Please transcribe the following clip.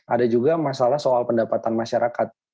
ada juga masalah soal pendapatan masyarakat